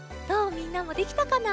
みんなもできたかな？